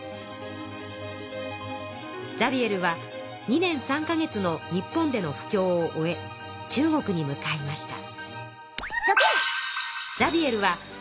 ザビエルは２年３か月の日本での布教を終え中国に向かいました。